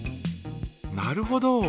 なるほど。